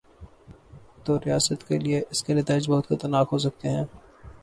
توریاست کے لیے اس کے نتائج بہت خطرناک ہو سکتے ہیں۔